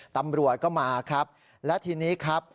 ตำรวจก็มาครับและทีนี้ครับ